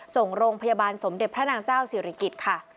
ส่งโรงพยาบาลสมเด็จพระนางเจ้าศิริกิจค่ะ